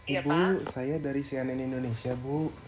ibu saya dari sian indonesia ibu